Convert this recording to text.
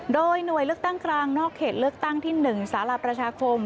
โดยหน่วยเลือกตั้งกลางนอกเขตเลือกตั้งที่๑สารประชาคม